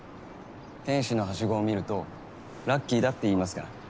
天使のはしごを見るとラッキーだっていいますから。